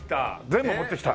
全部持ってきた。